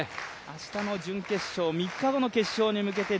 明日の準決勝、３日後の決勝に向けて